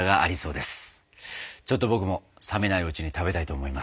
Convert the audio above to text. ちょっと僕も冷めないうちに食べたいと思います！